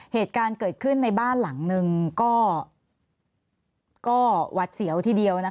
เหตุการณ์เกิดขึ้นในบ้านหลังนึงก็หวัดเสียวทีเดียว